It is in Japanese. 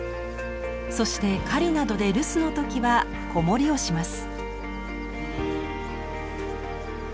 そして狩りなどで留守の時は子守りをします。